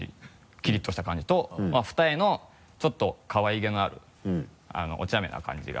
キリッとした感じと二重のちょっとかわいげのあるおちゃめな感じが。